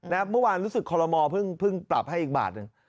เมื่อวานรู้สึกคอลโลมอลเพิ่งปรับให้อีกบาทหนึ่ง